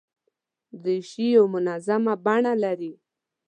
دریشي یو منظمه بڼه لري.